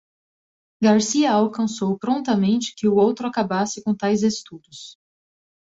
Garcia alcançou prontamente que o outro acabasse com tais estudos.